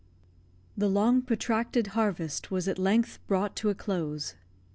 The long protracted harvest was at length brought to a close.